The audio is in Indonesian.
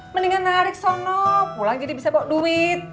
mendingan narik sono pulang jadi bisa kok duit